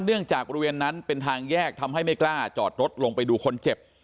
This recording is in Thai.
จากบริเวณนั้นเป็นทางแยกทำให้ไม่กล้าจอดรถลงไปดูคนเจ็บ